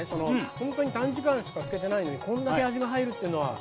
ほんとに短時間しか漬けてないのにこんだけ味が入るってのはいいですね。